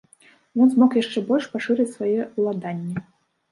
Ён змог яшчэ больш пашырыць свае ўладанні.